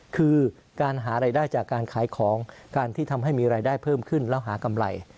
คือการหารายได้จากการขายของการที่ทำให้มีรายได้เพิ่มขึ้นแล้วหากำไร